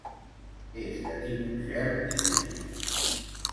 És de tipus gel i psíquic.